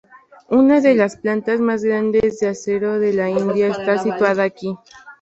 Una de las plantas más grandes de acero de la India está situada aquí.